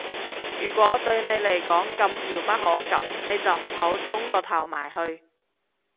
如果對你嚟講咁遙不可及，你就唔好舂個頭埋去